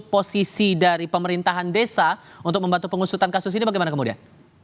posisi dari pemerintahan desa untuk membantu pengusutan kasus ini bagaimana kemudian